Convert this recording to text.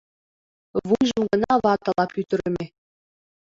Вуйжым гына ватыла пӱтырымӧ.